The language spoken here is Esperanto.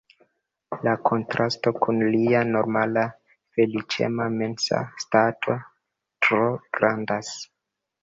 La kontrasto kun lia normala feliĉema mensa stato tro grandas.